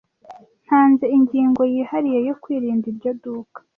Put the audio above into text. Ntanze ingingo yihariye yo kwirinda iryo duka.